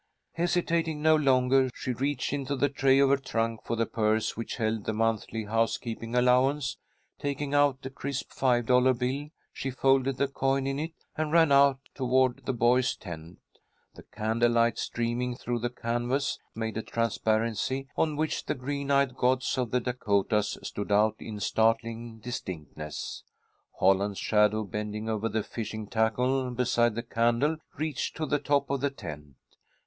Hesitating no longer, she reached into the tray of her trunk for the purse which held the monthly housekeeping allowance. Taking out a crisp five dollar bill, she folded the coin in it, and ran out toward the boys' tent. The candle light, streaming through the canvas, made a transparency on which the green eyed gods of the Dacotahs stood out in startling distinctness. Holland's shadow, bending over the fishing tackle beside the candle, reached to the top of the tent.